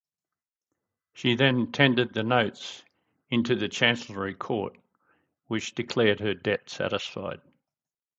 She then tendered the notes into the Chancery Court, which declared her debt satisfied.